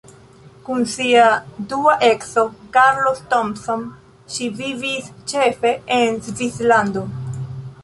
Kun sia dua edzo Carlos Thompson ŝi vivis ĉefe en Svislando.